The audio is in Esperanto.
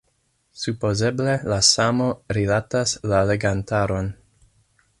Supozeble la samo rilatas la legantaron.